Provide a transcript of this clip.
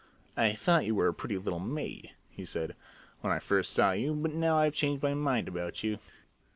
"I thought you were a pretty little maid," he said, "when I first saw you, but now I've changed my mind about you."